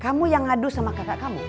kamu yang ngadu sama kakak kamu